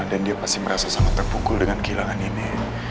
dan dia pasti merasa sangat terpukul dengan kehilangan ini